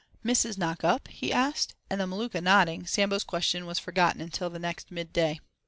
"Missus knock up?" he asked, and the Maluka nodding, Sambo's question was forgotten until the next mid day.